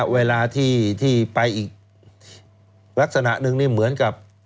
เวลาที่ไปอีกลักษณะหนึ่งนี่เหมือนกับ